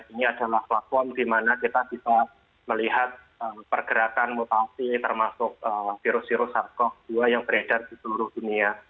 ini adalah platform di mana kita bisa melihat pergerakan mutasi termasuk virus virus sars cov dua yang beredar di seluruh dunia